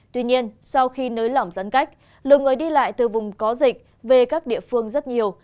tuy nhiên sau khi nới lỏng giãn cách lượng người đi lại từ vùng có dịch về các địa phương rất nhiều